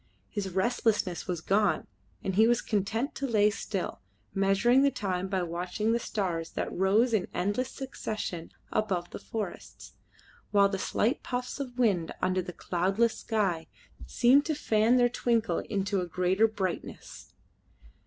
His restlessness was gone, and he was content to lay still, measuring the time by watching the stars that rose in endless succession above the forests, while the slight puffs of wind under the cloudless sky seemed to fan their twinkle into a greater brightness.